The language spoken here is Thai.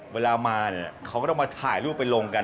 เวลามาเขาก็ต้องมาถ่ายรูปไปลงกัน